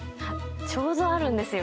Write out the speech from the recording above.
ちょうどあるんですよ。